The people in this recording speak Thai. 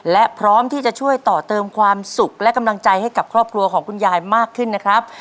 และพร้อมที่จะช่วยต่อเติมความสุขและกำลังใจให้กับครอบครัวของคุณยายมากขึ้นนะครับ